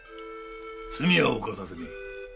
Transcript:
罪は犯させねえ。